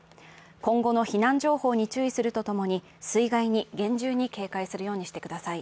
今後の避難情報に注意するとともに水害に厳重に警戒するようにしてください。